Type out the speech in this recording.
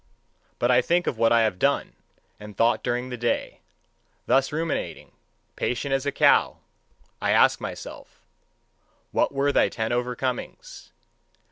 But I think of what I have done and thought during the day. Thus ruminating, patient as a cow, I ask myself: What were thy ten overcomings?